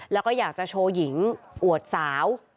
แล้วก็อยากจะโชว์หญิงอวดสาว